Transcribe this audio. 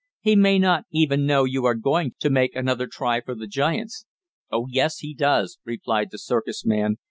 "He may not even know you are going to make another try for the giants." "Oh, yes, he does," replied the circus man.